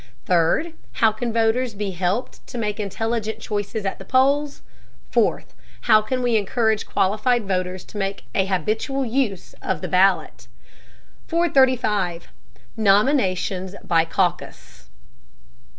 Third, how can voters be helped to make intelligent choices at the polls? Fourth, how can we encourage qualified voters to make an habitual use of the ballot? 435. NOMINATION BY CAUCUS.